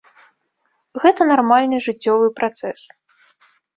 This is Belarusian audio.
Гэта нармальны жыццёвы працэс.